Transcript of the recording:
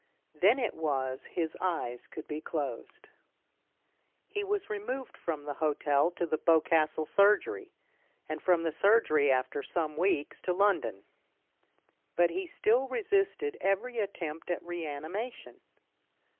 Then it was his eyes could be closed. He was removed from the hotel to the Boscastle surgery, and from the surgery, after some weeks, to London. But he still resisted every attempt at reanimation.